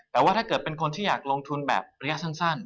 แต่ว่าถ้าเกิดเป็นคนที่อยากลงทุนแบบระยะสั้น